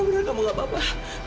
kamu benar kamu gak apa apa